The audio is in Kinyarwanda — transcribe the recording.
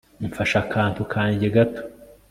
mfashe akantu kanjye gato